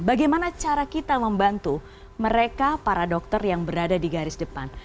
bagaimana cara kita membantu mereka para dokter yang berada di garis depan